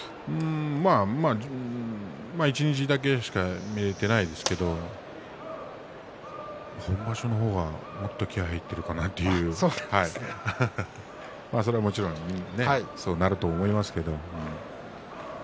まあ、一日だけしか見れていないですけど本場所の方がもっと気合いが入っているかなとそれはもちろんそうなると思いますけれど。